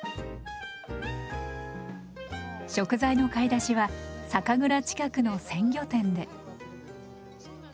食材の買い出しは酒蔵近くの鮮魚店で。